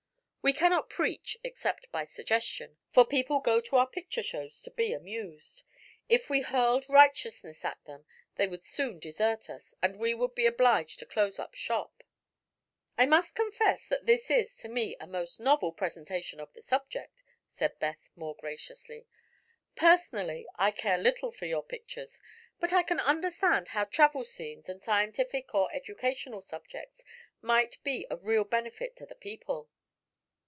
We cannot preach except by suggestion, for people go to our picture shows to be amused. If we hurled righteousness at them they would soon desert us, and we would be obliged to close up shop." "I must confess that this is, to me, a most novel presentation of the subject," said Beth, more graciously. "Personally, I care little for your pictures; but I can understand how travel scenes and scientific or educational subjects might be of real benefit to the people."